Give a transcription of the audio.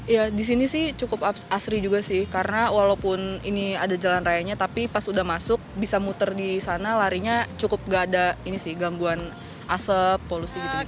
ya di sini sih cukup asri juga sih karena walaupun ini ada jalan rayanya tapi pas udah masuk bisa muter di sana larinya cukup gak ada ini sih gangguan asap polusi gitu